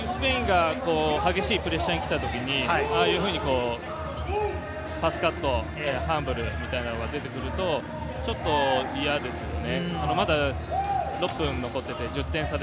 スペインが激しいプレッシャーに来たときに、ああいうふうにパスカットなどが出てくると、ちょっと嫌ですよね。